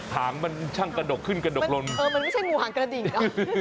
หางมันช่างกระดกขึ้นกระดกลนเออมันไม่ใช่งูหางกระดิ่งเหรอ